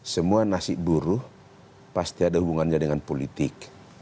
semua nasib buruh pasti ada hubungannya dengan politik